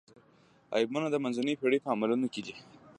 عیبونه د منځنیو پېړیو په عملونو کې دي.